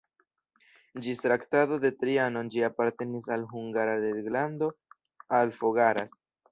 Ĝis Traktato de Trianon ĝi apartenis al Hungara reĝlando, al Fogaras.